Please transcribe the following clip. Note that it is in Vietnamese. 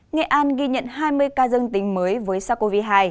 nghệ an ghi nhận hai mươi ca dương tính mới với sars cov hai